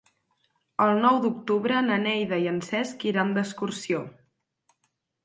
El nou d'octubre na Neida i en Cesc iran d'excursió.